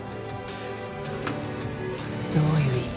どういう意味？